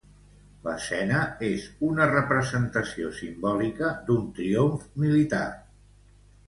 L'escena és una representació simbòlica d'un triomf militar.